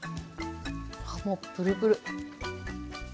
あもうプルプル。